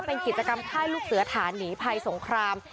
เป็นกิจกรรมค่ายลูกเสือฐานหนีภัยสงคราม